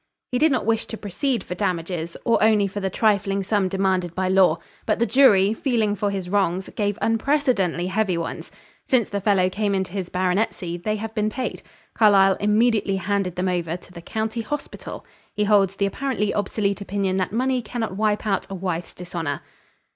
"He did not wish to proceed for damages, or only for the trifling sum demanded by law; but the jury, feeling for his wrongs, gave unprecedently heavy ones. Since the fellow came into his baronetcy they have been paid. Carlyle immediately handed them over to the county hospital. He holds the apparently obsolete opinion that money cannot wipe out a wife's dishonor."